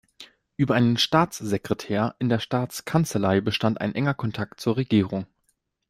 Über einen Staatssekretär in der Staatskanzlei bestand ein enger Kontakt zur Regierung.